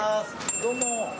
どうも。